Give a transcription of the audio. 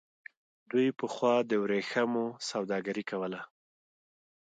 دوی پخوا د ورېښمو سوداګري کوله.